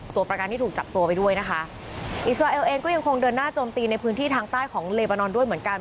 ตัวประกันที่ถูกจับตัวไปด้วยนะคะอิสราเอลเองก็ยังคงเดินหน้าโจมตีในพื้นที่ทางใต้ของเลบานอนด้วยเหมือนกัน